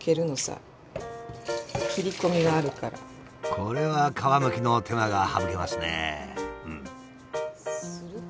これは皮むきの手間が省けますね！